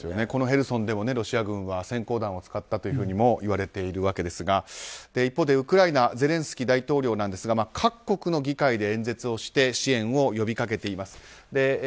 このヘルソンでもロシア軍は閃光弾を使ったともいわれているわけですが一方でウクライナゼレンスキー大統領ですが各国の議会で演説をして支援を呼びかけています。